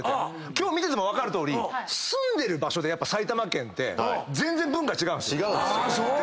今日見てても分かるとおり住んでる場所で埼玉県って全然文化違うんですよ。